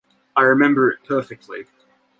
I remember it perfectly.